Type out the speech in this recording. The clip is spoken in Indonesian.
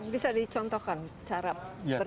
bisa dicontohkan cara pernapasan